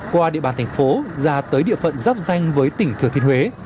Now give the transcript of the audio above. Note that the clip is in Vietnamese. qua địa bàn thành phố ra tới địa phận giáp danh với tỉnh thừa thiên huế